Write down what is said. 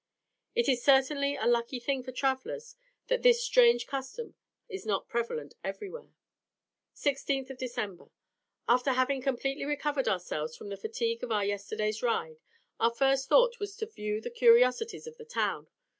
It is certainly a lucky thing for travellers that this strange custom is not prevalent everywhere. 16th December. After having completely recovered ourselves from the fatigues of our yesterday's ride, our first thought was to view the curiosities of the town.